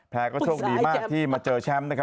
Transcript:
ก็โชคดีมากที่มาเจอแชมป์นะครับ